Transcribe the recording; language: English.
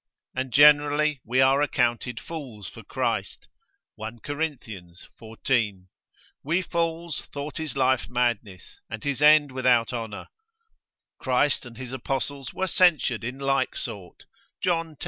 And generally we are accounted fools for Christ, 1 Cor. xiv. We fools thought his life madness, and his end without honour, Wisd. v. 4. Christ and his Apostles were censured in like sort, John x.